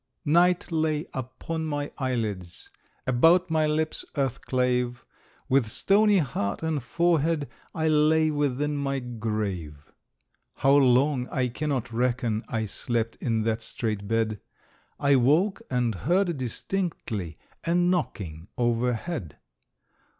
Night lay upon my eyelids, About my lips earth clave; With stony heart and forehead I lay within my grave. How long I cannot reckon, I slept in that strait bed; I woke and heard distinctly A knocking overhead.